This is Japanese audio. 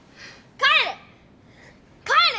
帰れ！